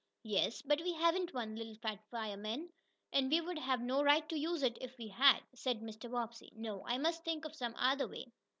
"Yes, but we haven't one, little fat fireman, and we would have no right to use it if we had," said Mr. Bobbsey. "No, I must think of some other way."